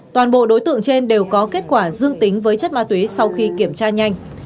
toàn bộ đối tượng trên đều có kết quả dương tính với chất ma túy sau khi kiểm tra nhanh